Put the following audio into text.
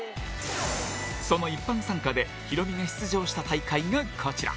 その一般参加でヒロミが出場した大会がこちら。